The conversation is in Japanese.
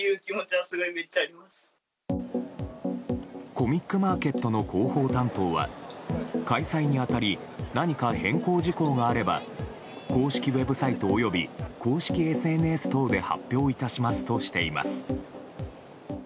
コミックマーケットの広報担当は開催に当たり何か変更事項があれば公式ウェブサイト及び公式ＳＮＳ等で発表いたしますとしています。